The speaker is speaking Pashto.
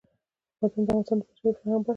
بادام د افغانستان د بشري فرهنګ برخه ده.